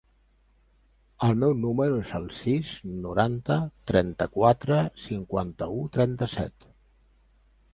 El meu número es el sis, noranta, trenta-quatre, cinquanta-u, trenta-set.